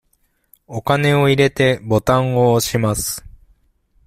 お金を入れて、ボタンを押します。